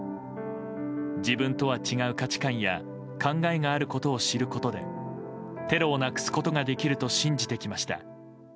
自分とは違う価値観や考えがあることを知ることでテロをなくすことができると信じてきました。